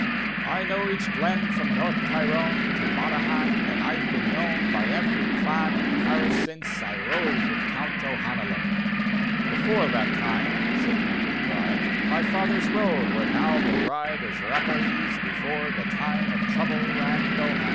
I know each glenn from North Tyrone To Monaghan, and I've been known By every dan dnd parish, since I rode with Count O'Hanlon." " Before that time," said he with pride, " My fathers rode where now they ride As R^perees, before the time Of Trouble and O'Hanlon."